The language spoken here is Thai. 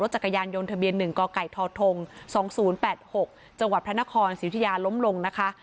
จังหวัดพระนครสิวิทยาล้มลงนะคะ